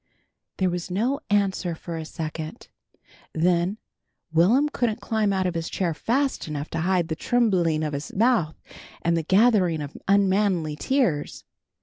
There was no answer for a second. Then Will'm couldn't climb out of his chair fast enough to hide the trembling of his mouth and the gathering of unmanly tears.